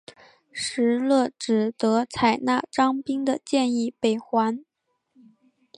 石勒只得采纳张宾的建议北还。